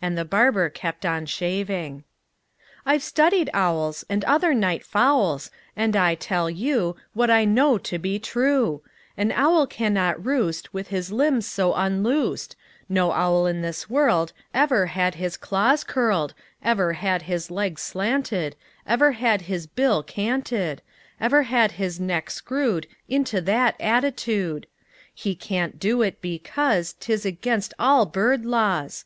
And the barber kept on shaving. "I've studied owls, And other night fowls, And I tell you What I know to be true: An owl cannot roost With his limbs so unloosed; No owl in this world Ever had his claws curled, Ever had his legs slanted, Ever had his bill canted, Ever had his neck screwed Into that attitude. He can't do it, because 'T is against all bird laws.